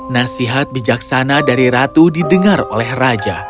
nasihat bijaksana dari ratu didengar oleh raja